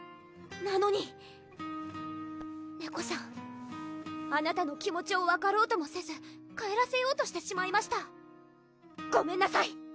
なのにネコさんあなたの気持ちを分かろうともせず帰らせようとしてしまいましたごめんなさい